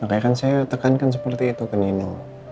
makanya kan saya tekankan seperti itu ke neno